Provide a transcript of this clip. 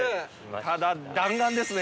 ただ弾丸ですね。